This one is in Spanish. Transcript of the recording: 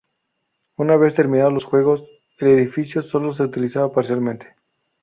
Una vez terminados los Juegos, el edificio sólo se utilizaba parcialmente.